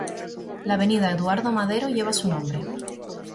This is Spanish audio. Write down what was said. La Avenida Eduardo Madero lleva su nombre.